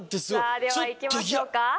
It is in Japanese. さぁではいきましょうか。